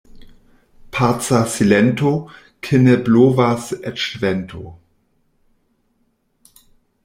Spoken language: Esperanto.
Paca silento, ke ne blovas eĉ vento.